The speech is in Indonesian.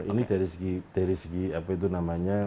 ini dari segi apa itu namanya